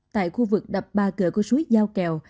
tại khu vực đập ba cửa của suối giao kèo